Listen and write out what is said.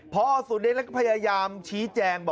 พั่ออ๐๘แล้วก็พยายามชี้แจง